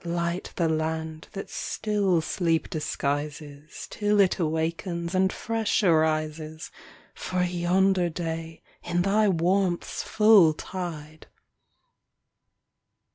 Light the land that still sleep disguises Till it awakens and fresh arises For yonder day in thy warmth's full tide!